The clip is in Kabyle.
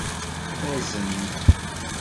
Fazen.